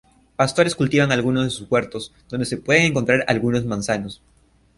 Pastores cultivan algunos de sus huertos, donde se pueden encontrar algunos manzanos.